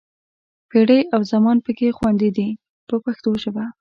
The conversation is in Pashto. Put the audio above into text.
پېړۍ او زمان پکې خوندي دي په پښتو ژبه.